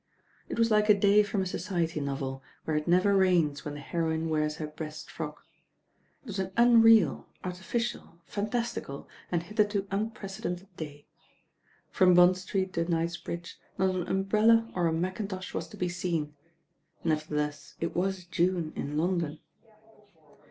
It was like a day from a society novel, where it never rains when the heroine wears her best frock. It was an unreal, artificial, fantastical, and hitherto unprecedented day. From Bond Street to Knights ^ bridge, not an umbrella or a mackintosh was to be seen, nevertheless it was June in London.